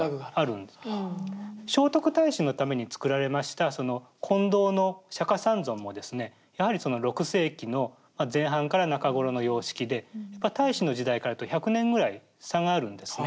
聖徳太子のために造られましたその金堂の釈三尊もですねやはりその６世紀の前半から中頃の様式で太子の時代からいうと１００年ぐらい差があるんですね。